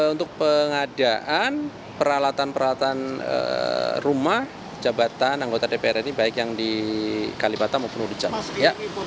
untuk pengadaan peralatan peralatan rumah jabatan anggota dpr ini baik yang di kalibata maupun di james